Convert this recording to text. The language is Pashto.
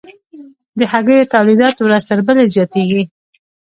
د هګیو تولیدات ورځ تر بلې زیاتیږي